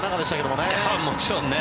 もちろんね。